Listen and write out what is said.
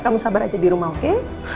kamu sabar aja di rumah oke